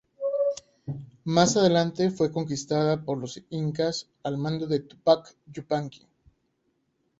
Más adelante fue conquistada por los incas al mando de Túpac Yupanqui.